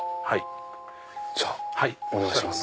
じゃあお願いします。